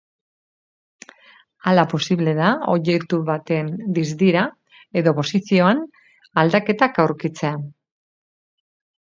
Hala posible da objektu baten distira edo posizioan aldaketak aurkitzea.